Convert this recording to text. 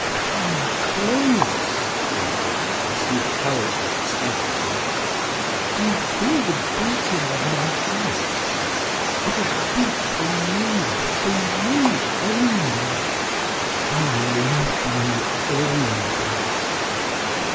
"Come close," he added, as he held her tightly. "Do you feel the beating of my heart? It has beat for you, for you only. I love you always.